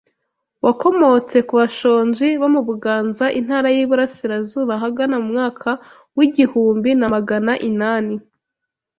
Wakomotse ku bashonji bo mu Buganza Intara y’i Burasirazuba ahagana mu mwaka wa igihumbi namagana inani